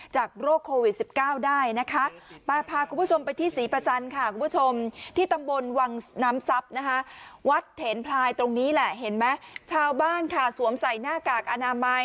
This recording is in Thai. จากโรคโควิด๑๙ได้นะครับ